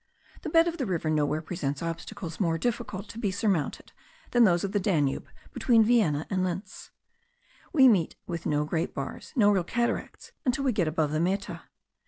The bed of the river nowhere presents obstacles more difficult to be surmounted than those of the Danube between Vienna and Linz. We meet with no great bars, no real cataracts, until we get above the Meta.